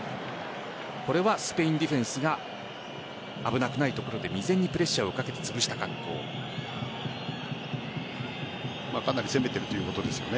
これはスペインディフェンスが危なくないところで未然にプレッシャーをかけてかなり攻めているということですよね。